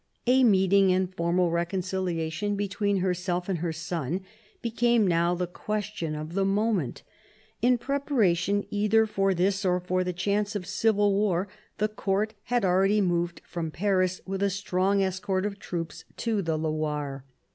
A meeting and formal reconciliation between herself and her son became now the question of the moment. In preparation either for this or for the chance of civil war the Court had already moved from Paris, with a strong escort of troops, to the Loire.